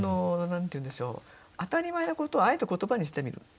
何て言うんでしょう当たり前のことをあえて言葉にしてみる。